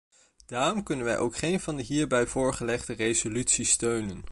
Daarom kunnen wij ook geen van de hierbij voorgelegde resoluties steunen.